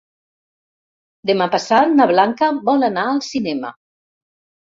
Demà passat na Blanca vol anar al cinema.